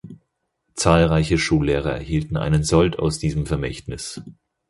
Zahlreiche Schullehrer erhielten einen Sold aus diesem Vermächtnis.